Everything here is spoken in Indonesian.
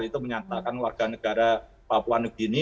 itu menyatakan warga negara papua new guinea